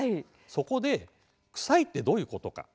そこで「臭いってどういうことか？」